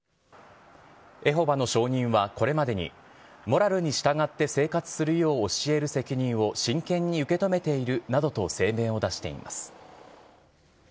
エホバの証人は、これまでに、モラルに従って生活するよう教える責任を真剣に受け止めているなどと声明を出しています。